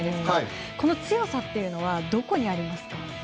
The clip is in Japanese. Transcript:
この強さというのはどこにありますか？